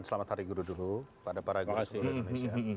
selamat hari guru dulu pada para guru seluruh indonesia